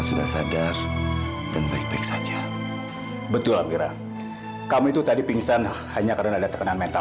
tapi dia bukan ayah saya